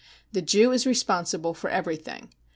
The Jew is responsible for everything.